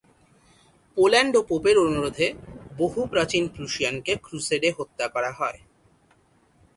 Poland ও পোপের অনুরোধে বহু প্রাচীন প্রুশিয়ানকে ক্রুসেডে হত্যা করা হয়।